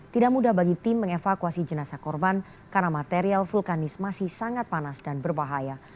tidak mudah bagi tim mengevakuasi jenazah korban karena material vulkanis masih sangat panas dan berbahaya